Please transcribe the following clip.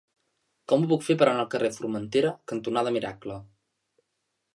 Com ho puc fer per anar al carrer Formentera cantonada Miracle?